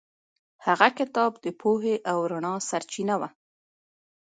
هغه کتاب د پوهې او رڼا سرچینه وه.